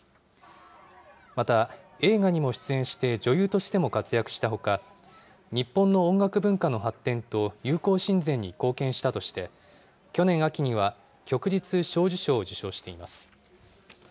また、映画にも出演して女優としても活躍したほか、日本の音楽文化の発展と友好親善に貢献したとして、去年秋には、旭日小綬章を受章しています。